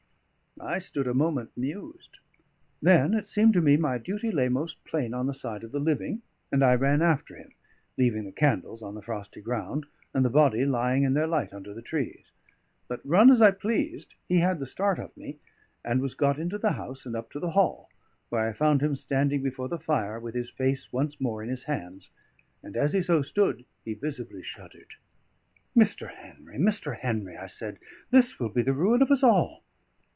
I stood a moment mused; then it seemed to me my duty lay most plain on the side of the living; and I ran after him, leaving the candles on the frosty ground and the body lying in their light under the trees. But run as I pleased, he had the start of me, and was got into the house, and up to the hall, where I found him standing before the fire with his face once more in his hands, and as he so stood he visibly shuddered. "Mr. Henry, Mr. Henry," I said, "this will be the ruin of us all."